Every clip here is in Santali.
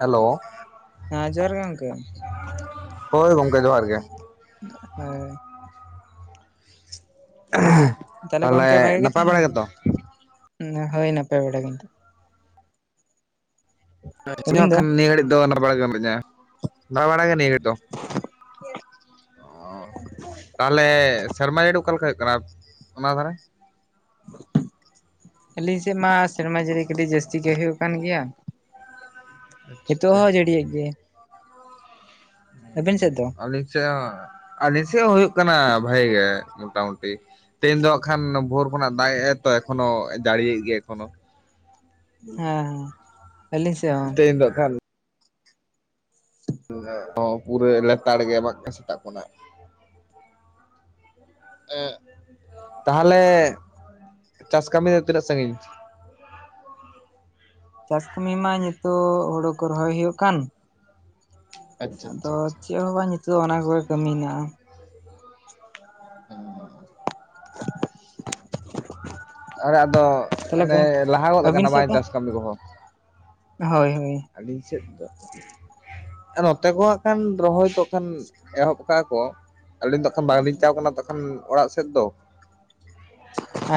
ᱦᱮᱸᱞᱳ ᱦᱮᱸ ᱦᱮᱸ ᱡᱚᱦᱟᱨ ᱜᱮ ᱜᱚᱝᱠᱮ ᱦᱳᱭ ᱜᱚᱝᱠᱮ ᱡᱚᱦᱟᱨ ᱜᱮ ᱦᱳᱭ ᱛᱟᱦᱚᱞᱮ ᱱᱟᱯᱟᱭ ᱵᱟᱲᱟ ᱜᱮᱛᱚ? ᱦᱩᱸ ᱦᱳᱭ ᱱᱟᱯᱟᱭ ᱵᱟᱲᱟ ᱜᱮ ᱱᱤᱛᱚᱜ ᱟᱹᱵᱤᱱ ᱫᱚ? ᱠᱷᱟᱱ ᱱᱤᱭᱟᱹ ᱜᱷᱟᱹᱲᱤᱡ ᱫᱚ ᱱᱟᱯᱟᱭ ᱵᱟᱲ ᱜᱮ ᱢᱤᱱᱟᱧᱟ ᱾ᱱᱟᱯᱟᱭ ᱵᱟᱲ ᱜᱮ ᱱᱤᱭᱟᱹ ᱜᱷᱟᱹᱲᱤᱡ ᱫᱚ᱾ ᱛᱟᱦᱚᱞᱮ ᱥᱮᱨᱢᱟ ᱡᱟᱹᱲᱤ ᱚᱠᱟ ᱞᱮᱠᱟ ᱦᱩᱭᱩᱜ ᱠᱟᱱᱟ ᱚᱱᱟ ᱫᱷᱟᱨᱮ? [inaudible] ᱟᱹᱞᱤᱧ ᱥᱮᱫ ᱢᱟ ᱥᱮᱨᱢᱟ ᱡᱟᱹᱲᱤ ᱠᱟᱹᱴᱤᱡ ᱡᱟᱹᱥᱛᱤ ᱜᱮ ᱦᱩᱭᱩᱜ ᱠᱟᱱ ᱜᱮᱭᱟ᱾ ᱱᱤᱛᱚᱜ ᱟᱪᱪᱷᱟ ᱦᱚᱸ ᱟᱪᱪᱷᱟ ᱡᱟᱹᱲᱤᱭᱮᱫ ᱜᱮᱭᱟᱭ᱾ ᱟᱹᱵᱤᱱ ᱥᱮᱫ ᱫᱚ? ᱟᱹᱞᱤᱧ ᱥᱮᱫ ᱦᱚᱸ ᱟᱹᱞᱤᱧ ᱥᱮᱫ ᱦᱚᱸ ᱦᱩᱭᱩᱜ ᱠᱟᱱᱟ ᱵᱷᱟᱜᱤ ᱜᱮ ᱢᱚᱴᱟᱢᱩᱴᱤ᱾ ᱛᱮᱦᱮᱧ ᱫᱚ ᱦᱜ ᱠᱷᱟᱱ ᱵᱷᱳᱨ ᱠᱷᱚᱱᱟᱜ ᱫᱟᱜ ᱮᱫᱟᱭ ᱛᱚ ᱮᱠᱷᱚᱱᱳ ᱡᱟᱹᱲᱤᱭᱮᱫ ᱜᱮᱭᱟᱭ ᱮᱠᱷᱚᱱᱚ᱾ ᱦᱮᱸ ᱦᱮᱸ᱾ ᱟᱹᱞᱤᱧ ᱥᱮᱫ ᱦᱚᱸ ᱛᱮᱦᱮᱧ ᱫᱚ ᱦᱟᱜ ᱠᱷᱟᱱ᱾ ᱯᱩᱨᱟᱹ ᱞᱮᱛᱟᱲ ᱜᱮ ᱮᱢᱟᱜ ᱠᱟᱱ ᱥᱮᱛᱟᱜ ᱠᱷᱚᱱᱟᱜ᱾ ᱛᱟᱦᱚᱞᱮ ᱪᱟᱥ ᱠᱟᱹᱢᱤ ᱫᱚ ᱛᱤᱱᱟᱹᱜ ᱥᱟᱺᱜᱤᱧ? ᱪᱟᱥ ᱠᱟᱹᱢᱤ ᱢᱟ ᱱᱤᱛᱚᱜ ᱦᱳᱲᱳ ᱠᱚ ᱨᱚᱦᱚᱭ ᱦᱩᱭᱩᱜ ᱠᱟᱱ᱾ ᱟᱪᱪᱷᱟ ᱟᱪᱪᱷᱟ ᱟᱫᱚ ᱟᱪᱪᱷᱟ ᱪᱮᱫ ᱦᱚᱸ ᱵᱟᱝ ᱱᱤᱛᱚᱜ ᱚᱱᱟ ᱠᱚᱜᱮ ᱠᱟᱹᱢᱤ ᱦᱮᱱᱟᱜ-ᱟ᱾ [inaudible] [inaudible] [unintelligible] ᱫᱚ ᱛᱟᱦᱚᱞᱮ ᱚᱱᱮ ᱜᱚᱝᱠᱮ ᱞᱟᱦᱟ ᱜᱚᱫ ᱟᱹᱵᱤᱱ ᱟᱠᱟᱱᱟ ᱥᱮᱫ ᱵᱟᱝ ᱫᱚ ᱪᱟᱥ ᱠᱟᱹᱢᱤ ᱠᱚᱦᱚᱸ? ᱦᱳᱭ ᱦᱳᱭ᱾ ᱟᱹᱞᱤᱸᱧ ᱥᱮᱫ ᱫᱚ᱾ ᱱᱚᱸᱛᱮ ᱠᱚ ᱦᱜ ᱠᱷᱟᱱ ᱨᱚᱦᱚᱭ ᱠᱚ ᱠᱷᱟᱱ ᱮᱦᱚᱵ ᱠᱟᱜᱼᱟ ᱠᱚ᱾ ᱟᱹᱞᱤᱸᱧ ᱫᱚᱠᱷᱟᱱ ᱵᱟᱝᱞᱤᱸᱧ ᱪᱟᱣ ᱟᱠᱟᱱᱟ ᱛᱠᱷᱟᱱ ᱚᱲᱟᱜ ᱥᱮᱫ ᱫᱚ᱾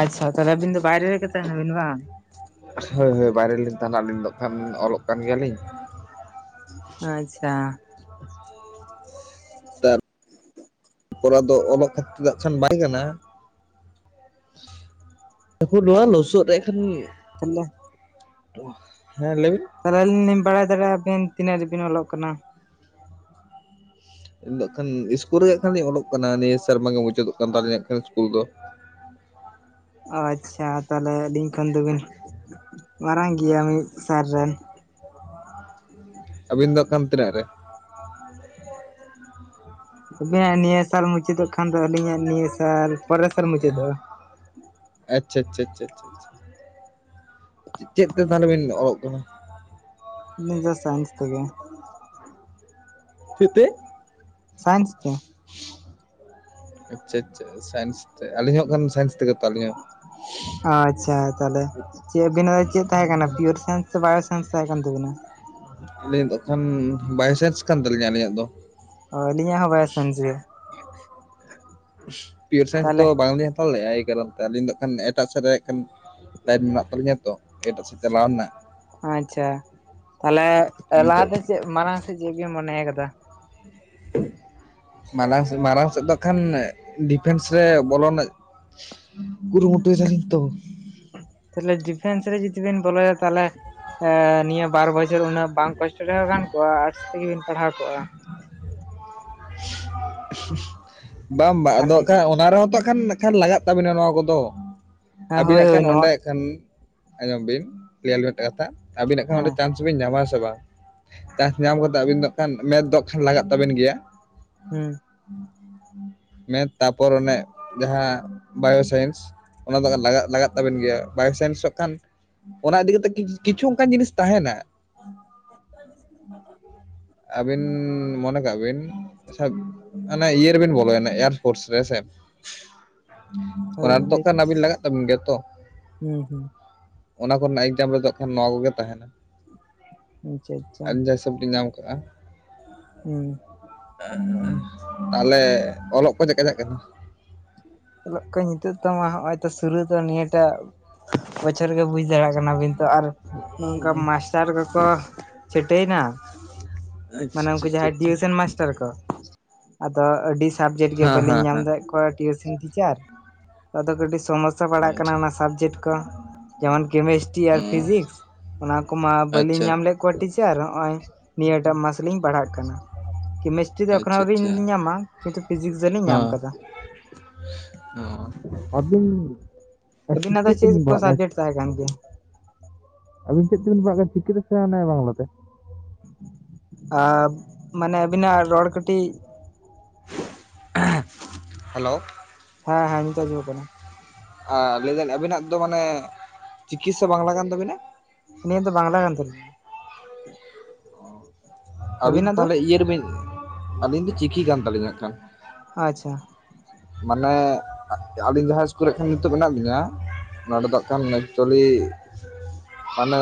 ᱟᱪᱪᱷᱟ ᱛᱟᱦᱚᱞᱮᱵᱤᱱ ᱫᱚ ᱵᱟᱭᱨᱮ ᱨᱮᱜᱮ ᱛᱟᱦᱮᱱᱟ ᱵᱤᱱ ᱵᱟᱝ? ᱦᱳᱭ ᱦᱳᱭ ᱵᱟᱭᱨᱮᱞᱤᱸᱧ ᱛᱟᱸᱦᱮᱱᱟ ᱟᱹᱞᱤᱸᱧ ᱫᱚ ᱠᱷᱟᱱ ᱚᱞᱚᱜ ᱠᱟᱱ ᱜᱮᱭᱟᱞᱤᱸᱧ ᱾ ᱟᱪᱪᱷᱟ᱾ ᱛᱟᱦᱞᱮ ᱟᱫᱚ ᱚᱞᱚᱜ ᱠᱷᱟᱹᱛᱤᱨ ᱪᱮᱫᱟᱜ ᱠᱷᱟᱱ ᱵᱟᱭ ᱜᱟᱱᱟ ᱾ [unintelligible] ᱱᱚᱣᱟ ᱞᱚᱥᱚᱫ ᱨᱮ ᱠᱷᱟᱱ ᱾ ᱛᱟᱞᱮ? ᱦᱮᱸ ᱞᱟᱹᱭ ᱵᱤᱱ᱾ ᱛᱟᱦᱚᱞᱮ ᱟᱹᱞᱤᱸᱧ ᱞᱤᱸᱧ ᱵᱟᱲᱟᱭ ᱫᱟᱲᱮᱭᱟᱜᱼᱟ ᱵᱤᱱ ᱛᱤᱱᱟᱹᱜ ᱨᱮᱵᱤᱸᱱ ᱚᱞᱚᱜ ᱠᱟᱱᱟ? ᱤᱧᱹᱜ ᱠᱷᱟᱱ ᱥᱠᱩᱞ ᱨᱮᱜᱟᱸ ᱠᱷᱟᱱ ᱞᱤᱧ ᱚᱞᱚᱜ ᱠᱟᱱᱟ ᱱᱤᱭᱟᱹ ᱥᱮᱨᱢᱟ ᱜᱮ ᱢᱩᱪᱟᱹᱫᱳᱜ ᱠᱟᱱ ᱛᱟᱞᱤᱧᱟ ᱦᱟᱜ ᱠᱷᱟᱱ ᱥᱠᱩᱞ ᱫᱚ᱾ ᱟᱪᱪᱷᱟ ᱛᱟᱦᱚᱞᱮ ᱟᱹᱞᱤᱸᱧ ᱠᱷᱚᱱ ᱫᱚᱵᱤᱱ ᱢᱟᱨᱟᱝ ᱜᱮᱭᱟ ᱢᱤᱫ ᱥᱟᱨ ᱨᱮᱱ᱾ ᱟᱹᱵᱤᱱ ᱫᱚ ᱠᱟᱱ ᱛᱤᱱᱟᱹᱜ ᱨᱮ? [inaudible] ᱟᱵᱮᱱᱟᱜ ᱱᱤᱭᱟᱹ ᱥᱟᱞ ᱢᱩᱪᱟᱹᱫᱚᱜ ᱠᱷᱟᱱ ᱫᱚ ᱟᱹᱞᱤᱸᱧᱟᱜ ᱱᱤᱭᱟᱹ ᱥᱟᱞ ᱯᱚᱨᱮᱨ ᱥᱟᱞ ᱢᱩᱪᱟᱹᱫᱚᱜᱼᱟ᱾ ᱟᱪᱪᱷᱟ ᱪᱪᱪᱷᱟ ᱪᱷᱟ ᱪᱮᱫ ᱛᱮ ᱛᱟᱦᱚᱞᱮ ᱵᱤᱱ ᱚᱞᱚᱜ ᱠᱟᱱᱟ? ᱟᱞᱤᱸᱧ ᱫᱚ ᱥᱟᱭᱮᱱᱥ ᱛᱮᱜᱮ᱾ ᱪᱮᱫ ᱛᱮ? ᱥᱟᱭᱮᱱᱥ ᱛᱮ᱾ ᱟᱪᱪᱷᱟ ᱟᱪᱪᱷᱟ ᱥᱟᱭᱮᱱᱥ ᱛᱮ ᱟᱹᱞᱤᱧ ᱦᱚᱸᱜ ᱠᱷᱟᱱ ᱥᱟᱭᱮᱱᱥ ᱛᱮ᱾ ᱟᱪᱪᱷᱟ ᱛᱟᱦᱮᱞᱮ ᱪᱮᱫ ᱵᱤᱱᱟᱜ ᱪᱮᱫ ᱛᱟᱦᱮᱸᱠᱟᱱᱟ ᱯᱤᱭᱳᱨ ᱥᱮᱱᱥ? ᱥᱮ ᱵᱟᱭᱳ ᱥᱮᱱᱥ ᱛᱟᱦᱮᱸ ᱠᱟᱱ ᱛᱟᱹᱵᱤᱱᱟ? ᱟᱹᱞᱤᱸᱧ ᱫᱚ ᱠᱷᱟᱱ ᱵᱟᱭᱥᱟᱱᱥ ᱠᱟᱱ ᱛᱟᱹᱞᱤᱸᱧᱟ ᱟᱹᱞᱤᱸᱧᱟᱜ ᱫᱚ᱾ ᱚ ᱟᱹᱞᱤᱧ ᱦᱚᱸ ᱵᱟᱭᱥᱟᱱᱥ ᱜᱮ ᱾ ᱯᱤᱭᱳᱨ ᱥᱟᱭᱮᱱᱥ ᱫᱚ ᱵᱟᱝᱞᱤᱧ ᱦᱟᱛᱟᱣ ᱞᱮᱫᱼᱟ᱾ ᱮᱭ ᱠᱟᱨᱚᱱ ᱛᱮ ᱟᱹᱞᱤᱸᱧ ᱫᱚ ᱠᱷᱟᱱ ᱮᱴᱟᱜ ᱥᱮᱫ ᱨᱮ ᱠᱷᱟᱱ᱾ ᱞᱟᱹᱭᱤᱱ ᱢᱮᱱᱟᱜ ᱛᱟᱹᱟᱞᱤᱸᱧᱟ ᱛᱚ ᱮᱴᱟᱜ ᱥᱮᱫ ᱪᱟᱞᱟᱣᱱᱟ ᱾ ᱟᱪᱪᱷᱟ ᱛᱟᱦᱚᱞᱮ ᱤᱱᱟᱹᱛᱮ ᱞᱟᱦᱟᱛᱮ ᱪᱮᱫ ᱢᱟᱲᱟᱝ ᱥᱮᱫ ᱪᱮᱫ ᱵᱤᱱ ᱢᱚᱱᱮ ᱠᱟᱫᱟ? ᱢᱟᱨᱟᱝ ᱥᱮ ᱢᱟᱨᱟᱝ ᱥᱮᱫ ᱫᱚ ᱠᱷᱟᱱ ᱰᱤᱯᱷᱮᱱᱥ ᱨᱮ ᱵᱚᱞᱚᱱ ᱨᱮᱱᱟᱜ ᱠᱩᱨᱩ ᱢᱩᱴᱩᱭ ᱫᱟᱞᱤᱧ ᱛᱚ᱾ ᱛᱟᱦᱚᱞᱮ ᱰᱤᱯᱷᱮᱱᱥ ᱨᱮ ᱡᱩᱫᱤ ᱵᱮᱱ ᱵᱚᱞᱚᱭᱟ ᱛᱟᱦᱚᱞᱮ ᱱᱤᱭᱟᱹ ᱵᱟᱨ ᱵᱚ ᱪᱷᱚᱨ ᱩᱱᱟᱹᱜ ᱵᱟᱝ ᱠᱚᱥᱴᱚ ᱨᱮᱦᱚᱸ ᱜᱟᱱ ᱠᱚᱜᱼᱟ ᱟᱨᱴᱥ ᱛᱮᱜᱮᱵᱤᱱ ᱯᱟᱲᱦᱟᱣ ᱠᱚᱜᱼᱟ᱾ ᱵᱟᱝ ᱵᱟ ᱟᱫᱚ ᱦᱟᱸᱜ ᱠᱷᱟᱱ ᱟᱨ ᱚ ᱱᱟ ᱨᱮᱦᱚᱸ ᱛᱚ ᱦᱟᱸᱜ ᱠᱷᱟᱱ ᱱᱟᱸᱜ ᱠᱷᱟᱱ ᱞᱟᱜᱟᱜ ᱛᱟᱵᱤᱱᱟ ᱱᱚᱣᱟ ᱠᱚᱫᱚ? ᱦᱳᱭ ᱟᱹᱵᱤᱱᱟᱜ ᱦᱳᱭ ᱠᱷᱟᱱ ᱱᱚᱣᱟ ᱚᱸᱰᱮ ᱦᱟᱸᱜ ᱠᱷᱟᱱ ᱟᱸᱡᱚᱢ ᱵᱤᱱ ᱠᱞᱤᱭᱟᱨᱞᱤ ᱢᱤᱫᱴᱮᱡ ᱠᱟᱛᱷᱟ ᱟᱹᱵᱤᱱᱟᱜ ᱦᱟᱸᱜ ᱠᱷᱟᱱ ᱦᱮᱸ ᱚᱸᱰᱮ ᱪᱟᱱᱥ ᱵᱤᱱ ᱧᱟᱢᱟ ᱟᱥᱮ ᱵᱟᱝ? ᱪᱟᱥ ᱧᱟᱢ ᱠᱟᱛᱮ ᱟᱹᱵᱤᱱ ᱫᱚ ᱦᱟᱸᱜ ᱠᱷᱟᱱ ᱢᱮᱫ ᱫᱚ ᱦᱟᱸᱜ ᱠᱷᱟᱱ ᱞᱟᱜᱟᱜ ᱛᱟᱹᱵᱮᱱ ᱜᱮᱭᱟ᱾ ᱦᱩᱸ᱾ ᱢᱮᱫᱽ ᱛᱟᱯᱚᱨ ᱚᱱᱮ ᱡᱟᱦᱟᱸ ᱵᱟᱭᱳᱥᱟᱭᱮᱱᱥ, ᱚᱱᱟ ᱫᱚ ᱞᱟᱜ ᱞᱟᱜᱟᱜ ᱛᱟᱵᱮᱱ ᱜᱮᱭᱟ ᱵᱟᱭᱳᱥᱟᱭᱮᱱᱥᱚᱜ ᱦᱟᱸᱜ ᱠᱷᱟᱱ ᱚᱱᱟ ᱤᱫᱤ ᱠᱟᱛᱮᱜ ᱠᱤᱪᱷᱩ ᱚᱱᱠᱟᱱ ᱡᱤᱸᱱᱤᱥ ᱛᱟᱸᱦᱮᱱᱟ, ᱟᱹᱵᱤᱱ ᱢᱚᱱᱮ ᱠᱟᱜ ᱵᱤᱱ ᱟᱪᱪᱷᱟ ᱚᱱᱮ ᱤᱭᱟᱹ ᱨᱮ ᱵᱤᱱ ᱵᱚᱞᱚᱭᱱᱟ ᱮᱟᱨᱯᱳᱴᱥ ᱨᱮ ᱦᱮᱸᱥᱮ, ᱦᱳᱭ ᱚᱱᱟ ᱨᱮᱫᱚ ᱞᱟᱹᱭ ᱦᱟᱹᱜ ᱵᱤᱱ ᱠᱷᱟᱱ ᱟᱵᱤᱱ ᱞᱟᱜᱟᱜ ᱛᱟᱵᱤᱱ ᱜᱮᱭᱟ ᱛᱚ᱾ ᱦᱩᱸ ᱦᱩᱸ᱾ ᱚᱱᱟ ᱠᱚᱨᱮᱱᱟᱜ ᱮᱠᱡᱟᱢ ᱨᱮᱫᱚ ᱦᱟᱸᱜ ᱠᱷᱟᱱ ᱱᱚᱣᱟ ᱠᱚᱜᱮ ᱛᱟᱦᱮᱸᱱᱟ ᱟᱪᱪᱷᱟ [unintelligible] ᱟᱪᱪᱷᱟ ᱯᱚᱛᱚᱵᱤᱸᱧ ᱧᱟᱢ ᱠᱟᱜᱼᱟ᱾ ᱦᱩᱸ᱾ ᱛᱟᱦᱞᱮ ᱚᱞᱚᱜ ᱠᱚ ᱪᱮᱫ ᱠᱟ ᱪᱟᱞᱟᱜ ᱠᱟᱱᱟ? ᱚᱞᱚᱜ ᱠᱚᱧ ᱱᱤᱛᱚᱜ ᱛᱚᱢᱟ ᱦᱚᱸᱜ ᱚᱭ ᱛᱚ ᱥᱩᱨᱩ ᱫᱚ ᱱᱤᱭᱟᱹ ᱴᱟᱜ ᱵᱚᱪᱷᱚᱨ ᱜᱮ ᱵᱩᱡ ᱫᱟᱲᱮ ᱠᱟᱱᱟ ᱵᱤᱱ ᱛᱚ ᱟᱨ ᱱᱚᱝᱠᱟ ᱢᱟᱥᱴᱟᱨ ᱠᱚ ᱠᱚ ᱪᱷᱟᱹᱴᱟᱹᱭᱱᱟ ᱢᱟᱱᱮ ᱩᱱᱠᱩ ᱡᱟᱦᱟᱸᱭ ᱴᱤᱭᱩᱥᱮᱱ ᱢᱟᱥᱴᱟᱨ ᱠᱚ, ᱟᱫᱚ ᱟᱹᱰᱤ ᱥᱟᱵᱡᱮᱠᱴ ᱜᱮ ᱟᱪᱪᱷᱟ ᱵᱟᱹᱞᱤᱧ ᱟᱪᱪᱷᱟ ᱧᱟᱢ ᱟᱪᱪᱷᱟ ᱫᱟᱭᱮᱜ ᱠᱚᱣᱟ ᱴᱤᱭᱩᱥᱮᱱ ᱴᱤᱪᱟᱨ, ᱟᱫᱚ ᱠᱟᱹᱴᱤᱡ ᱥᱚᱢᱚᱥ ᱥᱟ ᱦᱮᱸ ᱯᱟᱲᱟᱜ ᱦᱮᱸ ᱦᱮᱸ ᱠᱟᱱᱟ ᱟᱪᱪᱷᱟ ᱚᱱᱟ ᱥᱟᱵᱡᱮᱠᱴ ᱠᱚ ᱡᱮᱢᱚᱱ ᱠᱮᱢᱮᱥᱴᱨᱤ ᱟᱨ ᱚᱸ ᱯᱷᱤᱡᱤᱠᱥ ᱚᱱᱟ ᱠᱚᱢᱟ ᱵᱟᱹᱞᱤᱧ ᱟᱪᱪᱷᱟ ᱧᱟᱢ ᱞᱮᱫ ᱠᱚᱣᱟ ᱴᱤᱪᱟᱨ ᱦᱚᱸᱜ-ᱚᱭ ᱱᱤᱭᱟᱹᱴᱟᱜ ᱢᱟᱥ ᱞᱤᱧ ᱯᱟᱲᱦᱟᱜ ᱠᱟᱱᱟ᱾ ᱠᱮᱢᱮᱥᱴᱨᱤ ᱫᱚ ᱮᱠᱷᱚᱱᱳᱣ ᱟᱪᱪᱷᱟ ᱟᱣᱨᱤᱧ ᱟᱪᱪᱷᱟ ᱧᱟᱢᱟ ᱠᱤᱱᱛᱩ ᱯᱷᱤᱡᱤᱠᱥ ᱫᱚᱞᱤᱧ ᱧᱟᱢ ᱠᱟᱫᱟ᱾ ᱚ ᱟᱵᱤᱱ ᱟᱵᱤᱱᱟᱜ ᱫᱚ ᱪᱮᱫ ᱠᱚ ᱥᱟᱵᱡᱮᱠᱴ ᱛᱟᱦᱮᱸ ᱠᱟᱱ ᱜᱮᱭᱟ? ᱟᱹᱵᱤᱱ ᱪᱮᱫ ᱛᱮᱵᱤᱱ ᱯᱟᱲᱟᱜ ᱠᱟᱱᱟ, ᱪᱤᱠᱤ ᱛᱮ ᱥᱮ ᱟᱱᱮ ᱵᱟᱝᱞᱟ ᱛᱮ? ᱟᱵ ᱢᱟᱱᱮ ᱟᱹᱵᱤᱱᱟᱜ ᱨᱚᱲ ᱠᱟᱹᱴᱤᱡ ᱦᱮᱞᱳ᱾ ᱦᱮᱸ ᱦᱮᱸ ᱱᱤᱛᱚᱜ ᱟᱡᱚᱢᱚᱜ ᱠᱟᱱᱟ᱾ ᱟ ᱞᱟᱹᱭ ᱫᱟᱹᱧ ᱟᱵᱤᱱᱟᱜ ᱫᱚ ᱢᱟᱱᱮ ᱪᱤᱠᱤ ᱥᱮ ᱵᱟᱝᱞᱟ ᱠᱟᱱ ᱛᱟᱵᱤᱱᱟ? ᱟᱞᱤᱧᱟᱜ ᱫᱚ ᱵᱟᱝᱞᱟ ᱠᱟᱱ ᱛᱟᱞᱤᱧᱟ ᱾ ᱟᱹᱵᱤᱱ ᱟᱹᱵᱤᱱᱟᱜ ᱫᱚ ᱛᱟᱦᱞᱮ ᱤᱭᱟᱹ ᱨᱮᱵᱤᱱ, ᱟᱹᱞᱤᱧ ᱫᱚ ᱪᱤᱠᱤ ᱠᱟᱱ ᱛᱟᱹᱞᱤᱧᱟ ᱦᱟᱸᱜ ᱠᱷᱟᱱ᱾ ᱟᱪᱪᱷᱟ᱾ ᱢᱟᱱᱮ ᱟᱹᱞᱤᱧ ᱡᱟᱦᱟᱸ ᱤᱥᱠᱩᱞ ᱨᱮᱜ ᱦᱟᱸᱜ ᱠᱷᱟᱱ ᱱᱤᱛᱚᱜ ᱢᱮᱱᱟᱜ ᱞᱤᱧᱟ ᱱᱚᱣᱟ ᱨᱮᱫᱚ ᱦᱟᱸᱜ ᱠᱷᱟᱱ ᱮᱠᱪᱩᱭᱟᱹᱞᱤ ᱢᱟᱱᱮ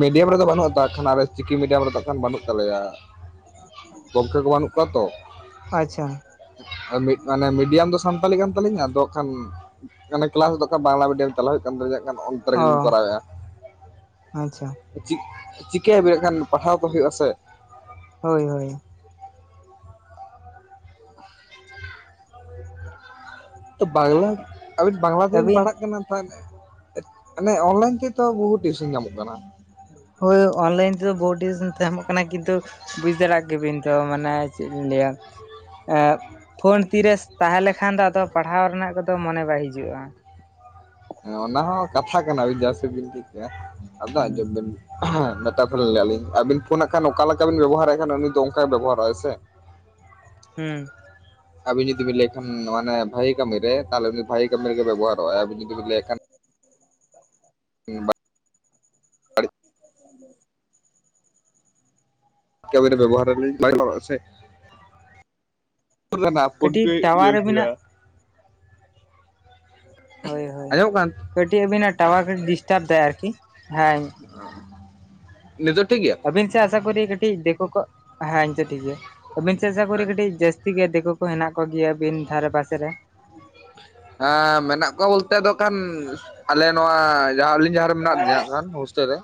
ᱢᱤᱰᱤᱭᱟᱢ ᱨᱮᱫᱚ ᱵᱟᱹᱱᱩᱜ ᱟᱛᱚ, ᱦᱟᱸᱜ ᱠᱷᱟᱱ ᱟᱞᱮ ᱪᱤᱠᱤ ᱢᱤᱰᱤᱭᱟᱢ ᱨᱮᱫᱚ ᱦᱟᱸᱜ ᱠᱷᱟᱱ ᱵᱟᱹᱱᱩᱜ ᱛᱟᱞᱮᱭᱟ, ᱜᱚᱝᱠᱮ ᱠᱚ ᱵᱟᱹᱱᱩᱜ ᱠᱚᱣᱟ ᱛᱚ, ᱟᱪᱪᱷᱟ᱾ ᱢᱤᱫ ᱢᱟᱱᱮ ᱢᱤᱰᱤᱭᱟᱢ ᱫᱚ ᱥᱟᱱᱛᱟᱞᱤ ᱠᱟᱱ ᱛᱟᱞᱤᱧᱟ ᱟᱫᱚ ᱦᱟᱸᱜ ᱠᱷᱟᱱ ᱢᱟᱱᱮ ᱠᱮᱞᱟᱥ ᱫᱚ ᱠᱷᱟᱱ ᱵᱟᱝᱞᱟ ᱢᱤᱰᱤᱭᱟᱢ ᱪᱟᱞᱟᱜ ᱦᱩᱭᱩᱜ ᱠᱟᱱ ᱛᱟᱞᱤᱧᱟ ᱦᱟᱸᱜ ᱠᱷᱟᱱ ᱾ ᱱᱚᱛᱮ ᱚ ᱨᱮᱜᱮᱞᱤᱧ ᱠᱚᱨᱟᱣ ᱭᱮᱜ-ᱟ᱾ ᱟᱪᱪᱷᱟ ᱪᱤᱠ ᱪᱤᱠᱟᱹᱭᱟ ᱵᱮᱱ ᱦᱟᱸᱜ ᱠᱷᱟᱱ ᱯᱟᱲᱦᱟᱣ ᱠᱚ ᱦᱩᱭᱩᱜ-ᱟ ᱥᱮ ᱦᱳᱭ ᱦᱳᱭ ᱵᱟᱝᱞᱟ ᱟᱹᱵᱤᱱ ᱵᱟᱝᱞᱟ ᱛᱮᱵᱤᱱ ᱟᱹᱵᱤᱱ ᱯᱟᱲᱦᱟᱜ ᱠᱟᱱᱟ ᱛᱟᱦᱞᱮ ᱢᱟᱱᱮ ᱚᱱᱞᱟᱭᱤᱱ ᱜᱮᱛᱚ ᱴᱤᱭᱩᱥᱮᱱ ᱧᱟᱢᱚᱜ ᱠᱟᱱᱟ᱾ ᱦᱳᱭ ᱚᱱ ᱞᱟᱭᱤᱱ ᱛᱮᱫᱚ ᱵᱳᱨᱰ ᱴᱤᱥ ᱛᱟᱭᱚᱢᱚᱜ ᱠᱟᱱᱟᱭ ᱠᱤᱱᱛᱩ ᱵᱩᱡ ᱫᱟᱲᱮ ᱭᱟᱜ ᱠᱮᱵᱤᱱ ᱛᱚ, ᱢᱟᱱᱮ ᱪᱮᱫ ᱤᱧ ᱞᱟᱹᱭᱟ? ᱮ ᱯᱷᱳᱱ ᱛᱤᱨᱮ ᱛᱟᱦᱮᱸ ᱞᱮᱠᱷᱟᱱ ᱫᱚ ᱟᱫᱚ ᱯᱟᱲᱦᱟᱣ ᱨᱮᱱᱟᱜ ᱠᱚᱫᱚ ᱢᱚᱱᱮ ᱵᱟᱭ ᱦᱤᱡᱩᱜᱼᱟ᱾ ᱦᱮᱸ ᱚᱱᱟ ᱦᱚᱸ ᱠᱟᱛᱷᱟ ᱠᱟᱱᱟ, ᱵᱤᱱᱫᱟᱥ ᱵᱤᱱ ᱴᱤᱠ ᱠᱟᱜᱼᱟ ᱟᱫᱚ ᱦᱩᱸ ᱟᱡᱚᱢ ᱵᱤᱱ ᱦᱮᱸ ᱢᱮᱛᱟᱯᱚᱨᱮ ᱞᱟᱹᱭᱮ ᱟᱞᱤᱧ ᱟᱹᱵᱤᱱ ᱯᱷᱳᱱ ᱦᱟᱜ ᱠᱷᱟᱱ ᱚᱠᱟ ᱞᱮᱠᱟ ᱵᱤᱱ ᱵᱮᱵᱚᱦᱟᱨᱮᱫ ᱠᱷᱟᱱ ᱩᱱᱤ ᱫᱚ ᱚᱱᱠᱟᱭ ᱵᱮᱵᱚᱦᱟᱨᱚᱜ ᱟᱭ ᱥᱮ᱾ ᱦᱩᱸ ᱟᱵᱤᱱ ᱡᱩᱫᱤ ᱵᱮᱱ ᱞᱟᱹᱭ ᱠᱷᱟᱱ ᱱᱚᱣᱟ ᱢᱟᱱᱮ ᱵᱷᱟᱹᱜᱤ ᱠᱟᱹᱢᱤ ᱨᱮ ᱛᱟᱦᱞᱮ ᱩᱱᱤ ᱵᱷᱟᱹᱜᱤ ᱠᱟᱹᱢᱤ ᱨᱮᱜᱮᱭ ᱵᱮᱵᱚᱦᱟᱨᱚᱜᱼᱟᱭ, ᱟᱵᱤᱱ ᱡᱩᱫᱤ ᱵᱮᱱ ᱞᱟᱹᱭᱟᱜ ᱠᱷᱟᱱ [unintelligible] [inaudible] ᱠᱟᱹᱢᱤ ᱨᱮ ᱵᱮᱵᱚᱦᱟᱨᱟᱞᱤᱧ, ᱵᱟᱜ ᱜᱟᱱᱚᱜ-ᱟ ᱥᱮ᱾ ᱟᱱᱟ ᱯᱷᱳᱱ ᱠᱟᱹᱴᱤᱡ ᱯᱮ ᱴᱟᱣᱟᱨ ᱤᱭᱟᱹ ᱜᱮᱭᱟ᱾ ᱟᱹᱵᱤᱱᱟᱜ ᱦᱳᱭ ᱦᱳᱭ, ᱟᱸᱡᱚᱢᱚᱜ ᱠᱟᱱ ᱠᱟᱹᱴᱤᱡ ᱟᱵᱤᱱᱟᱜ ᱴᱟᱣᱟᱨ ᱰᱤᱥᱴᱟᱵ ᱫᱟᱭ ᱟᱨᱠᱤ, ᱦᱮᱸ᱾ ᱱᱤᱛᱚᱜ ᱴᱷᱤᱠ ᱜᱮᱭᱟ? ᱟᱹᱵᱤᱱ ᱥᱮᱜ ᱟᱥᱟ ᱠᱚᱨᱤ, ᱠᱟᱹᱴᱤᱡ ᱫᱤᱠᱩ ᱠᱚ ᱦᱮᱸ ᱱᱤᱛᱚᱜ ᱴᱷᱤᱠ ᱜᱮᱭᱟ ᱟᱵᱤᱱ ᱥᱮ ᱟᱥᱟ ᱠᱚᱨᱮ ᱠᱟᱹᱴᱤᱡ ᱡᱟᱹᱥ ᱴᱷᱤᱠ ᱜᱮᱭᱟ, ᱫᱤᱠᱩ ᱠᱚ ᱦᱮᱱᱟᱜ ᱠᱚ ᱜᱮᱭᱟ ᱵᱤᱱ ᱫᱷᱟᱨᱮ ᱯᱟᱥᱮ ᱨᱮ᱾ ᱦᱮᱸ ᱢᱮᱱᱟᱜ ᱠᱚᱣᱟ ᱵᱚᱞᱛᱮ ᱟᱫᱚ ᱠᱷᱟᱱ ᱟᱞᱮ ᱱᱚᱣᱟ ᱡᱟᱦᱟᱸ ᱯᱮ ᱦᱚᱲ ᱢᱮᱱᱟᱜ ᱞᱮᱭᱟ ᱦᱟᱸᱜ ᱠᱷᱟᱱ ᱦᱳᱥᱴᱮᱞ ᱨᱮ᱾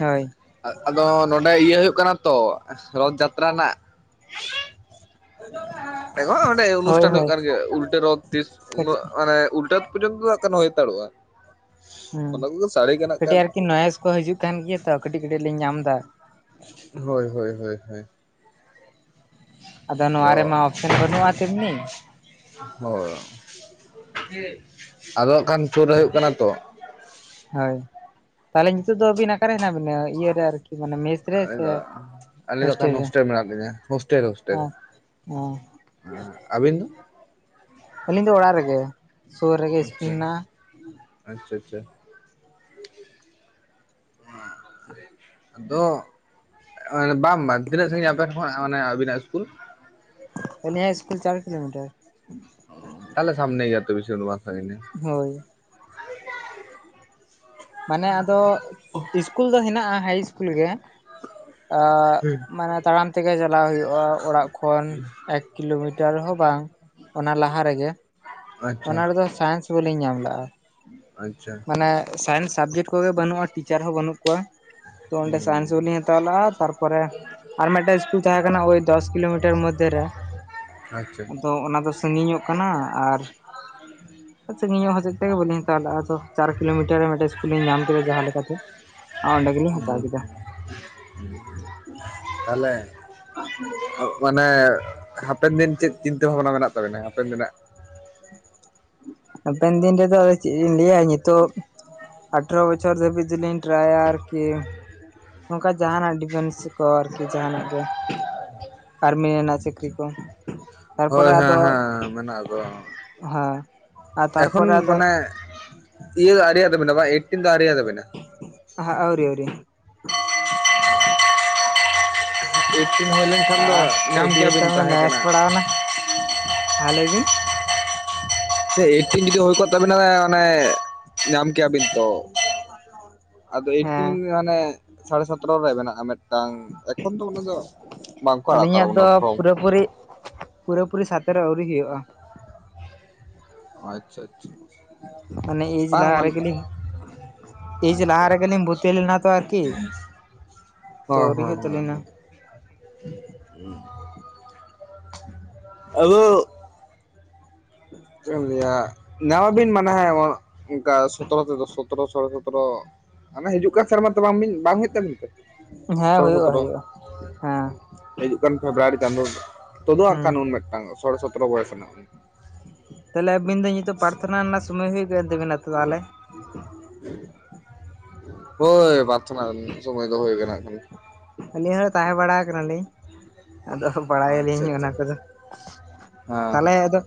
ᱦᱳᱭ ᱟᱫ ᱟᱫᱚ ᱱᱚᱸᱰᱮ ᱤᱭᱟᱹ ᱦᱩᱭᱩᱜ ᱠᱟᱱᱟ ᱛᱚ ᱨᱚᱛᱷ ᱡᱟᱛᱨᱟ ᱨᱮᱱᱟᱜ [inaudible] ᱮᱱᱦᱚ ᱚᱸᱰᱮ ᱦᱳᱭ ᱚᱱᱩᱥᱴᱷᱟᱱ ᱦᱩᱭᱩᱜ ᱦᱳᱭ ᱠᱟᱱ ᱜᱮᱭᱟ ᱩᱞᱴᱟᱹ ᱨᱚᱛ ᱛᱤᱥ ᱠᱟᱹᱴᱤᱡ ᱢᱟᱱᱮ ᱩᱞᱴᱟᱹ ᱯᱚᱨᱡᱚᱱᱛᱚ ᱠᱟᱱ ᱦᱳᱭᱛᱟᱲᱼᱟ᱾ ᱦᱮᱸ ᱠᱷᱟᱱ ᱠᱟᱹᱴᱤᱡ ᱟᱨᱠᱤ ᱱᱚᱭᱮᱥ ᱠᱚ ᱦᱤᱡᱩᱜ ᱠᱟᱱ ᱜᱮᱭᱟ ᱛᱚ ᱠᱟᱹᱴᱤᱡ ᱠᱟᱹᱴᱤᱡ ᱞᱤᱧ ᱧᱟᱢ ᱫᱟ᱾ ᱦᱳᱭ ᱦᱳᱭ ᱦᱳᱭ ᱦᱳᱭ᱾ ᱟᱫᱚ ᱱᱚᱣᱟ ᱨᱮᱢᱟ ᱚᱯᱥᱚᱱ ᱵᱟᱹᱱᱩᱜᱼᱟ ᱛᱮᱢᱱᱤ᱾ ᱦᱳᱭ ᱟᱫᱚ ᱦᱟᱜ ᱠᱷᱟᱱ ᱥᱩᱨ ᱨᱮ ᱦᱩᱭᱩᱜ ᱠᱟᱱᱟ ᱛᱚ ᱾ ᱦᱳᱭ ᱛᱟᱦᱚᱞᱮ ᱱᱤᱛᱳᱜ ᱫᱚ ᱟᱹᱵᱤᱱ ᱚᱠᱟᱨᱮ ᱦᱮᱱᱟᱜ ᱵᱤᱱᱟ? ᱤᱭᱟᱹᱨᱮ ᱟᱨᱠᱤ ᱢᱟᱱᱮ ᱢᱮᱥ [unintelligible] ᱨᱮ ᱟᱞᱮ ᱥᱮ ᱫᱚ ᱟᱞᱮ ᱫᱚ ᱚᱠᱷᱟᱱ ᱦᱳᱥᱴᱮᱞ ᱨᱮ ᱢᱮᱱᱟᱜ ᱞᱤᱧᱟ ᱦᱳᱥᱴᱮᱞ ᱨᱮ ᱦᱳᱥᱴᱮᱞ ᱨᱮ ᱦᱮᱸ ᱾ ᱚ [unintelligible] ᱟᱹᱵᱤᱱ ᱫᱚ? ᱟᱹᱞᱤᱧ ᱫᱚ ᱚᱲᱟᱜ ᱨᱮᱜᱮ᱾ ᱥᱩᱨ ᱨᱮᱜᱮ ᱤᱥᱠᱩᱞ ᱟᱪᱪᱷᱟ ᱢᱮᱱᱟᱜᱼᱟ ᱟᱪᱪᱷᱟ ᱟᱪᱪᱷᱟ [inaudible] [inaudible] ᱦᱮ ᱟᱫᱚ ᱵᱟᱝ ᱵᱟᱝ ᱛᱤᱱᱟᱹᱜ ᱥᱟᱺᱜᱤᱧᱟ ᱟᱯᱮᱱ ᱠᱷᱚᱜ ᱢᱟᱱᱮ ᱟᱵᱤᱱᱟᱜ ᱤᱥᱠᱩᱞ᱾ ᱟᱹᱞᱤᱧᱟᱜ ᱤᱥᱠᱩᱞ ᱪᱟᱨ ᱠᱤᱞᱳᱢᱤᱴᱟᱨ᱾ ᱛᱟᱦᱞᱮ ᱥᱟᱢᱱᱮ ᱜᱮᱭᱟ ᱛᱚ ᱵᱤᱥᱤ ᱫᱚ ᱵᱟᱝ ᱥᱟᱹᱝᱜᱤᱧᱟ᱾ ᱦᱳᱭ ᱢᱟᱱᱮ ᱟᱫᱚ ᱤᱥᱠᱩᱞ ᱫᱚ ᱦᱮᱱᱟᱜᱼᱟ ᱦᱟᱭ ᱤᱥᱠᱩᱞ ᱜᱮ᱾ ᱮᱜ ᱢᱟᱱᱮ ᱛᱟᱲᱟᱢ ᱛᱮᱜᱮ ᱪᱟᱞᱟᱣ ᱦᱩᱭᱩᱜᱼᱟ ᱚᱲᱟᱜ ᱠᱷᱚᱱ ᱮᱠ ᱠᱤᱞᱳᱢᱤᱴᱟᱨ ᱦᱚᱸ ᱵᱟᱝ ᱚᱱᱟ ᱞᱟᱦᱟ ᱨᱮᱜᱮ᱾ ᱟᱪᱪᱷᱟ ᱚᱱᱟ ᱨᱮᱫᱚ ᱥᱟᱭᱮᱱᱥ ᱵᱟᱞᱤᱧ ᱧᱟᱢ ᱞᱟᱜᱼᱟ᱾ ᱟᱪᱪᱷᱟ᱾ ᱢᱟᱱᱮ ᱥᱟᱭᱮᱱᱥ ᱥᱟᱵᱽᱡᱮᱠᱴ ᱠᱚᱜᱮ ᱵᱟᱹᱱᱩᱜᱼᱟ ᱴᱤᱪᱟᱨ ᱦᱚᱸ ᱵᱟᱹᱱᱩᱜ ᱠᱚᱣᱟ᱾ ᱛᱚ ᱚᱸᱰᱮ ᱥᱟᱭᱮᱱᱥ ᱦᱩᱸ ᱵᱟᱞᱤᱧ ᱦᱟᱛᱟᱣ ᱞᱟᱜ-ᱟ ᱛᱟᱨᱯᱚᱨᱮ᱾ ᱟᱨ ᱢᱤᱫᱴᱟᱝ ᱤᱥᱠᱩᱞ ᱛᱟᱦᱮᱸ ᱠᱟᱱᱟ ᱳᱭ ᱫᱚᱥ ᱠᱤᱞᱳᱢᱤᱴᱟᱨ ᱢᱚᱫᱽᱫᱷᱮ ᱨᱮ ᱟᱪᱪᱷᱟ ᱟᱫᱚ ᱚᱱᱟ ᱫᱚ᱾ ᱥᱟᱺᱜᱤᱧᱚᱜ ᱠᱟᱱᱟ ᱟᱨ ᱥᱟᱺᱜᱤᱧᱚᱜ ᱦᱚᱛᱮᱡ ᱛᱮ ᱵᱟᱹᱞᱤᱧ ᱦᱟᱛᱟᱣ ᱞᱮᱫᱼᱟ ᱟᱫᱚ᱾ ᱪᱟᱨ ᱠᱤᱞᱳᱢᱤᱴᱟᱨ ᱨᱮ ᱢᱤᱫᱴᱮᱡ ᱤᱥᱠᱩᱞᱤᱧ ᱧᱟᱢ ᱠᱮᱫᱟ ᱡᱟᱦᱟᱸ ᱞᱮᱠᱟᱛᱮ᱾ ᱟᱨ ᱚᱸᱰᱮ ᱜᱮᱞᱤᱧ ᱦᱟᱛᱟᱣ ᱦᱳᱭ ᱠᱮᱫᱟ ᱛᱟᱦᱞᱮ ᱵᱟᱝ [inaudible] ᱢᱟᱱᱮ ᱦᱟᱯᱮᱱ ᱫᱤᱱ ᱪᱮᱫ ᱪᱤᱱᱛᱟᱹ ᱵᱷᱟᱵᱱᱟ ᱢᱮᱱᱟᱜ ᱛᱟᱵᱮᱱᱟ ᱦᱟᱯᱮᱱ ᱫᱤᱱᱟᱜ? ᱦᱟᱯᱮᱱ ᱫᱤᱱ ᱨᱮ ᱫᱚ ᱟᱫᱚ ᱪᱮᱫ ᱤᱧ ᱞᱮᱭᱟ ᱱᱤᱛᱚᱜ ᱟᱴᱷᱮᱨᱚ᱾ ᱵᱚᱪᱷᱚᱨ ᱫᱷᱟᱹᱵᱤᱡ ᱫᱚᱞᱤᱧ ᱴᱨᱟᱭᱟ ᱟᱨᱠᱤ᱾ ᱱᱚᱝᱠᱟ ᱡᱟᱦᱟᱱᱟᱜ ᱰᱤᱯᱷᱮᱱᱥ ᱠᱚ ᱟᱨᱠᱤ ᱡᱟᱦᱟᱱᱟᱜ ᱜᱮ᱾ ᱟᱨᱢᱤᱱᱟ ᱪᱟᱹᱠᱨᱤ ᱠᱚ᱾ ᱦᱳᱭ ᱛᱟᱨᱯᱚᱨᱮ ᱦᱮᱸ ᱟᱫᱚ ᱦᱮᱸ ᱢᱮᱱᱟᱜ ᱫᱚ᱾ ᱦᱮᱸ ᱟᱨ ᱮᱠᱷᱚᱱ ᱛᱟᱨᱯᱚᱨᱮ ᱟᱫᱚ ᱢᱟᱱᱮ ᱤᱭᱟᱹ ᱫᱚ ᱟᱨᱮ ᱛᱟᱵᱤᱱᱟ ᱵᱟ ᱮᱭᱤᱴᱤᱱ ᱫᱚ ᱟᱨᱮᱭᱟ ᱛᱟᱵᱤᱱᱟ? ᱦᱟᱜ ᱟᱣᱨᱤ ᱟᱣᱨᱤ᱾ ᱮᱭᱤᱴᱴᱤᱱ ᱦᱩᱭ ᱞᱮᱱᱠᱷᱟᱱ ᱟ ᱫᱚ ᱧᱟᱢ ᱟᱹᱰᱤᱛ ᱠᱮᱭᱟᱵᱤᱱ ᱛᱟᱦᱮᱸ ᱱᱚᱭᱮᱥ ᱠᱟᱱᱟ ᱯᱟᱲᱟᱣᱱᱟ ᱟᱞᱮ ᱜᱮ᱾ ᱥᱮ ᱮᱭᱤᱴᱴᱤᱱ ᱡᱩᱫᱤ ᱦᱩᱭ ᱠᱚᱜ ᱛᱟᱵᱮᱱᱟ ᱢᱟᱱᱮ [inaudible] ᱧᱟᱢ ᱠᱮᱭᱟᱵᱤᱱ ᱛᱚ ᱟᱫᱚ ᱦᱮᱸ ᱮᱭᱤᱴᱴᱤᱱ ᱦᱟᱱᱮ᱾ ᱥᱟᱲᱮ ᱥᱚᱛᱮᱨᱚ ᱨᱮ ᱢᱮᱱᱟᱜᱼᱟ ᱢᱤᱫᱴᱟᱝ ᱮᱠᱷᱚᱱ ᱫᱚ ᱚᱱᱟ ᱫᱚ ᱵᱟᱝᱠᱚ ᱟᱲᱟᱛᱟᱲᱟᱵᱚᱱᱟ ᱯᱷᱨᱚᱢ᱾ ᱛᱵᱩᱨᱤ [unintelligible] ᱯᱩᱨᱟᱹ ᱯᱩᱨᱤ ᱥᱟᱛᱮᱨᱚ ᱟᱹᱣᱨᱤ ᱦᱩᱭᱩᱜᱼᱟ᱾ ᱟᱪᱪᱷᱟ ᱟᱪᱪᱷᱟ᱾ ᱢᱟᱱᱮ ᱮᱡ ᱵᱟᱝ ᱞᱟᱦᱟ ᱢᱟᱱ ᱨᱮᱜᱮ ᱞᱤᱧ᱾ ᱮᱡ ᱞᱟᱦᱟ ᱟᱪᱪᱷᱟ ᱨᱮᱜᱮᱞᱤᱧ ᱵᱷᱩᱨᱛᱤ ᱞᱮᱱᱟ ᱛᱚ ᱟᱨᱠᱤ ᱦᱚᱸ ᱛᱳᱣᱨᱤ ᱦᱚᱸ ᱦᱩᱭᱩᱜ ᱦᱚᱸ ᱛᱟᱞᱤᱱᱟ᱾ ᱦᱚᱸ ᱟᱫᱚ [inaudible] ᱪᱮᱫ ᱮᱢ ᱞᱟᱭᱟ ᱱᱟᱣᱟ ᱵᱤᱱ ᱢᱟᱱᱮ ᱚᱱᱠᱟ ᱥᱚᱛᱮᱨᱚ ᱛᱮ ᱫᱚ᱾ ᱥᱚᱛᱮᱨᱚ ᱥᱲᱮ ᱥᱚᱛᱨᱚ ᱢᱟᱱᱮ ᱦᱤᱡᱩᱜ ᱠᱟᱱ ᱥᱮᱨᱢᱟ ᱛᱮ ᱵᱟᱝ ᱵᱤᱱ ᱵᱟᱝ ᱦᱩᱭᱩᱜ ᱛᱟᱵᱤᱱ ᱛᱮ? ᱦᱮᱸ ᱥᱳᱲᱮ ᱦᱩᱭᱩᱜᱼᱟ ᱥᱚᱛᱨᱚ ᱦᱩᱭᱩᱜᱼᱟ ᱦᱮᱸ᱾ ᱦᱤᱡᱩᱜ ᱠᱟᱱ ᱯᱷᱮᱵᱽᱨᱩᱣᱟᱨᱤ ᱪᱟᱸᱫᱚ ᱛᱩᱫᱩ ᱟᱜ ᱦᱩᱸ ᱠᱷᱟᱱ ᱩᱱ ᱢᱤᱫᱴᱟᱝ ᱥᱚ ᱥᱚᱛᱮᱨᱚ ᱵᱚᱭᱚᱥ ᱦᱱᱟᱜ᱾ ᱛᱟᱦᱚᱞᱮ ᱟᱹᱵᱤᱱ ᱫᱚ ᱱᱤᱛᱚᱜ ᱯᱟᱨᱷᱚᱱᱟ ᱨᱮᱱᱟᱜ ᱥᱳᱚᱢᱚᱭ ᱦᱩᱭ ᱠᱟᱱᱟᱱ ᱛᱟᱹᱵᱤᱱᱟ ᱛᱚ ᱛᱟᱦᱚᱞᱮ᱾ [unintelligible] ᱦᱳᱭ ᱵᱟᱨᱛᱚᱱᱟ ᱥᱚᱢᱚᱭ ᱫᱚ ᱦᱩᱭ ᱠᱟᱱᱟ ᱮᱠᱷᱚ᱾ ᱟᱹᱞᱤᱧ ᱦᱚᱸ ᱛᱟᱦᱮᱸ ᱵᱟᱲᱟ ᱠᱟᱱᱟ ᱞᱤᱧ᱾ ᱟᱫᱚ ᱵᱟᱲᱟᱭᱟ ᱟᱪᱪᱷᱟ ᱞᱤᱧ ᱚᱱᱟ ᱟᱪᱪᱷᱟ ᱠᱚᱫᱚ ᱦᱮᱸ ᱛᱟᱦᱚᱞᱮ ᱦᱮᱸ ᱟᱫᱚ᱾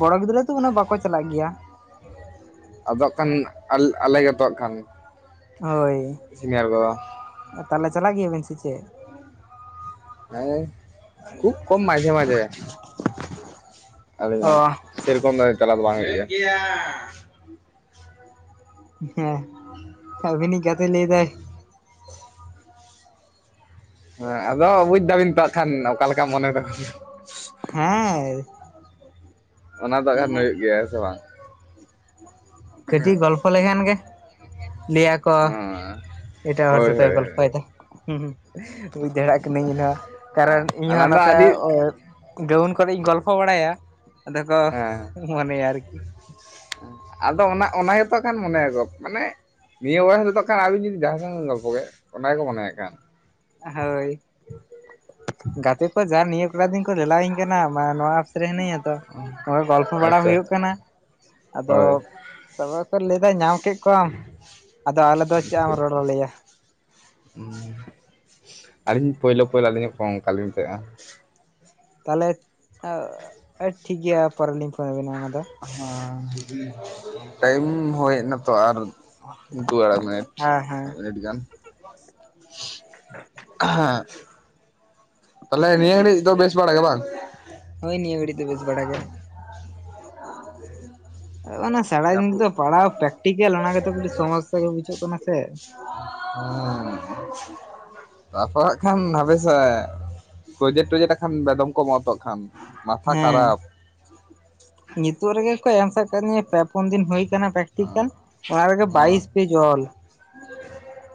ᱵᱚᱲᱚ ᱜᱤᱫᱽᱨᱟᱹ ᱛᱚ ᱩᱱᱟᱜ ᱵᱟᱠᱚ ᱪᱟᱞᱟᱜ ᱜᱮᱭᱟ᱾ ᱟᱫᱚᱜ ᱠᱷᱟᱱ ᱟᱞᱮ ᱜᱮᱛᱚᱜ ᱠᱷᱟᱱ᱾ ᱦᱳᱭ ᱥᱤᱱᱤᱭᱟᱨ ᱠᱚᱫᱚ ᱛᱟᱦᱞᱮ ᱪᱟᱞᱟᱜ ᱜᱮᱭᱟᱵᱮᱱ ᱥᱮ ᱪᱮᱫ? ᱦᱮᱸ ᱠᱷᱩᱵ ᱠᱚᱢ ᱢᱟᱡᱮ ᱢᱟᱡᱮ᱾ ᱟᱞᱤᱧ ᱚ ᱦᱚᱸ ᱥᱮᱨᱚᱠᱚᱢ ᱫᱚ ᱪᱟᱞᱟᱣ ᱫᱚ ᱵᱟᱝ ᱦᱩᱭᱩᱜ ᱜᱤᱭᱟ᱾ ᱦᱮᱸ ᱟᱹᱵᱤᱱᱤ ᱜᱟᱛᱮ ᱞᱟᱹᱭᱫᱟᱭ᱾ ᱦᱮᱸ ᱟᱫᱚ ᱵᱩᱡ ᱫᱟᱵᱤᱱ ᱛᱚ ᱠᱷᱟᱱ ᱚᱠᱟ ᱞᱮᱠᱟ ᱢᱚᱱᱮ ᱫᱚ᱾ ᱦᱮᱸ ᱚᱱᱟ ᱫᱚ ᱦᱟᱸᱜ ᱠᱷᱟᱱ ᱦᱩᱭᱩᱜ ᱜᱮᱭᱟ ᱦᱮᱸ ᱥᱮ ᱵᱟᱝ ᱠᱟᱤᱡᱤ ᱜᱚᱞᱯᱷᱚ᱾ ᱜᱚᱞᱯᱷᱚ ᱞᱮᱠᱷᱟᱱ ᱜᱮ ᱞᱤᱭ ᱠᱚ᱾ ᱦᱮᱸ ᱮᱴᱟᱜ ᱦᱚᱲ ᱦᱳᱭ ᱥᱟᱛᱮᱜ-ᱮ ᱦᱳᱭ ᱦᱳᱭ ᱜᱚᱞᱯᱷᱚᱭ ᱫᱟᱭ ᱵᱩᱡᱫᱟᱲᱮ ᱠᱟᱹᱱᱟᱹᱧ ᱤᱧ ᱦᱚᱸ, ᱠᱟᱨᱚᱱ ᱤᱧ ᱚᱱᱟ ᱦᱚᱸ ᱫᱚ ᱱᱚᱛᱮ ᱟᱹᱰᱤ ᱜᱨᱟᱣᱩᱱᱰ ᱠᱚᱨᱮᱜᱧ ᱜᱚᱞᱯᱷᱚ ᱵᱟᱲᱟᱭᱟ ᱟᱫᱚ ᱠᱚ ᱦᱮᱸ ᱢᱚᱱᱮᱭᱟ ᱟᱨᱠᱤ᱾ ᱟᱫᱚ ᱚᱱᱟ ᱚᱱᱟ ᱜᱮᱛᱚ ᱠᱷᱟᱱ ᱢᱚᱱᱮᱭᱟ ᱠᱚ ᱢᱟᱱᱮ ᱱᱤᱭᱟᱹ ᱵᱚᱭᱮᱥ ᱨᱮᱫᱚ ᱦᱟᱸᱜ ᱠᱷᱟᱱ ᱟᱵᱤᱱ ᱡᱩᱫᱤ ᱡᱟᱦᱟᱸᱭ ᱥᱟᱸᱶ ᱵᱮᱱ ᱜᱚᱞᱯᱚ ᱠᱮᱛ ᱚᱱᱟ ᱜᱮᱠᱚ ᱢᱚᱱᱮᱭᱟ ᱦᱟᱸᱜ ᱠᱷᱟᱱ ᱾ ᱦᱳᱭ, ᱜᱟᱛᱮ ᱠᱚ ᱡᱟ ᱱᱤᱭᱟᱹ ᱠᱚᱴᱟ ᱫᱤᱱ ᱠᱚ ᱞᱮᱞᱟᱣᱤᱧ ᱠᱟᱱᱟ ᱢᱟ ᱱᱚᱣᱟ ᱦᱤᱱᱟᱹᱧ-ᱟ ᱛᱚ ᱱᱚᱜ-ᱚᱭ ᱜᱚᱞᱯᱚ ᱵᱟᱲᱟ ᱟᱪᱪᱷᱟ ᱦᱩᱭᱩᱜ ᱠᱟᱱᱟ᱾ ᱟᱫᱚ ᱦᱳᱭ ᱛᱚᱵᱮ ᱠᱚ ᱞᱟᱹᱭ ᱮᱫᱟ ᱧᱟᱢ ᱠᱮᱫ ᱠᱚᱣᱟᱢ᱾ ᱟᱫᱚ ᱟᱞᱮ ᱫᱚ ᱪᱮᱫᱟᱜ ᱮᱢ ᱨᱚᱲ ᱟᱞᱮᱭᱟ᱾ ᱟᱹᱞᱤᱧ ᱯᱳᱭᱞᱳ ᱯᱳᱭᱞᱳ ᱟᱹᱞᱤᱧ ᱦᱚᱸᱠᱚ ᱚᱱᱠᱟ ᱞᱤᱧ ᱛᱟᱦᱮᱸᱫ-ᱟ᱾ ᱛᱟᱦᱚᱞᱮ ᱴᱷᱤᱠᱜᱮᱭᱟ ᱯᱚᱨᱮ ᱞᱤᱧ ᱯᱷᱳᱱ ᱟᱵᱤᱱᱟ ᱚᱱᱟ ᱫᱚ᱾ ᱦᱮᱸ ᱴᱟᱭᱤᱢ ᱦᱳᱭ ᱦᱮᱡ ᱱᱟᱛᱚ ᱟᱨ ᱫᱩ ᱟᱲᱟᱭ ᱢᱤᱱᱤᱴ, ᱦᱮᱸ ᱦᱮᱸ ᱢᱤᱫ ᱢᱤᱱᱤᱴ ᱜᱟᱱ [unintelligible] ᱛᱟᱦᱚᱞᱮ ᱱᱤᱭᱟᱹ ᱜᱷᱟᱹᱲᱤᱡ ᱫᱚ ᱵᱮᱥ ᱵᱟᱲᱟ ᱜᱮ ᱵᱟᱝ? ᱦᱳᱭ ᱱᱤᱭᱟᱹ ᱜᱷᱟᱲᱤᱡ ᱫᱚ ᱵᱮᱥ ᱵᱟᱲᱟ ᱜᱮ᱾ [unintelligible] ᱥᱟᱨᱟ ᱡᱟᱹᱯᱩᱫ ᱧᱤᱫᱟᱹ ᱯᱟᱲᱦᱟᱣ ᱯᱮᱠᱴᱤᱠᱮᱞ ᱚᱱᱟ ᱜᱮᱛᱚ ᱠᱟᱹᱴᱤᱡ ᱥᱚᱢᱚᱥᱥᱟ ᱜᱮ ᱵᱩᱡᱷᱟᱹᱜ ᱠᱟᱱᱟ ᱥᱮ᱾ ᱦᱮᱸ ᱛᱟᱨᱯᱚᱨ ᱦᱟᱸᱜ ᱠᱷᱟᱱ ᱦᱟᱯᱮᱥᱮ ᱯᱨᱚᱡᱮᱠᱴ ᱴᱚᱡᱮᱠᱴ ᱦᱟᱸᱜ ᱠᱷᱟᱱ ᱵᱮᱫᱚᱢ ᱠᱚ ᱮᱢᱚᱜ-ᱟ ᱦᱟᱸᱜ ᱠᱷᱟᱱ᱾ ᱢᱟᱛᱷᱟ ᱦᱮᱸ ᱠᱷᱟᱨᱟᱯ ᱱᱤᱛᱚᱜ ᱨᱮᱜᱮ ᱠᱚ ᱮᱢ ᱥᱟᱵ ᱟᱠᱟᱤᱧᱟᱹ ᱯᱮ ᱯᱩᱱ ᱫᱤᱱ ᱦᱩᱭ ᱟᱠᱟᱱᱟ ᱯᱨᱤᱠᱴᱤᱠᱮᱞ ᱚᱱᱟ ᱨᱮᱜᱮ ᱚ ᱵᱟᱭᱤᱥ ᱯᱮᱡ ᱚᱞ᱾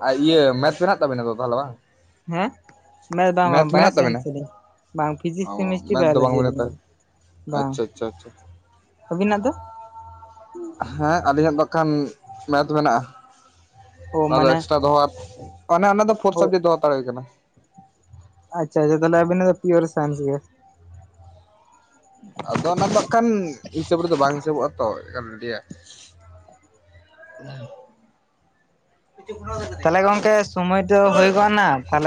ᱟᱨ ᱤᱭᱟᱹ ᱢᱮᱛᱷ ᱢᱮᱱᱟᱜ ᱛᱟᱵᱤᱱᱟ ᱛᱚ ᱛᱟᱦᱚᱞᱮ ᱵᱟᱝ? ᱦᱮᱸ ᱵᱟᱝ ᱢᱮᱛᱷ ᱵᱟᱝ ᱢᱮᱱᱟᱜ ᱛᱟᱵᱮᱱᱟ ᱵᱟᱭᱳᱥᱟᱭᱮᱱᱥ ᱛᱟᱞᱤᱧ ᱵᱟᱝ ᱯᱷᱤᱡᱤᱠᱥ, ᱚ ᱠᱮᱢᱤᱥᱴᱨᱤ, ᱢᱮᱛᱷ ᱫᱚ ᱵᱟᱝ ᱵᱟᱭᱳᱞᱚᱡᱤ ᱵᱮᱱ ᱟᱹᱞᱤᱧᱟᱜ ᱦᱟᱛᱟᱣᱟ ᱫᱚ᱾ ᱟᱪᱪᱷᱟ ᱟᱪᱪᱷᱟ ᱟᱪᱪᱷᱟ ᱚᱵᱤᱱᱟᱜ ᱫᱚ? ᱦᱮᱸ ᱟᱹᱞᱤᱧᱟᱜ ᱫᱚ ᱠᱷᱟᱱ ᱢᱮᱛᱷ ᱢᱮᱱᱟᱜᱼᱟ ᱚ ᱟᱫᱚ ᱢᱟᱱᱮ ᱮᱠᱥᱴᱨᱟ ᱫᱚᱦᱚ ᱢᱟᱱᱮ ᱚᱱᱮ ᱚᱱᱟ ᱫᱚ ᱯᱷᱳᱨ ᱚ ᱥᱟᱵᱡᱮᱴ ᱫᱚᱦᱚ ᱦᱟᱛᱟᱲ ᱦᱳᱭ ᱠᱟᱱᱟ᱾ ᱟᱪᱪᱷᱟ ᱟᱪᱪᱷᱟ ᱛᱟᱦᱚᱞᱮ ᱟᱵᱤᱱᱟᱜ ᱫᱚ ᱯᱤᱭᱳᱨ ᱥᱟᱭᱥ ᱜᱮ᱾ ᱟᱫᱚ ᱚᱱᱟ ᱫᱚ ᱦᱟᱸᱜ ᱠᱷᱟᱱ ᱦᱤᱥᱟᱹᱵ ᱨᱮᱫᱚ ᱵᱟᱝ ᱦᱤᱥᱟᱹᱵᱚᱜᱼᱟ ᱛᱚ [unintelligible] [unintelligible] ᱞᱟᱹᱭᱟ ᱛᱟᱦᱚᱞᱮ ᱜᱚᱝᱠᱮ ᱥᱚᱢᱚᱭ ᱫᱚ ᱦᱩᱭ ᱜᱚᱜᱱᱟ᱾